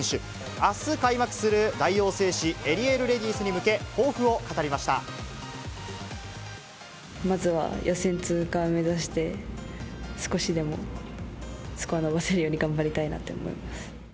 あす、開幕する大王製紙エリエールレディースに向け、まずは予選通過を目指して、少しでもスコアを伸ばせるように頑張りたいなと思います。